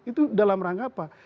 itu dalam rangka apa